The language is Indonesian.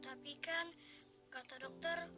tapi kan kata dokter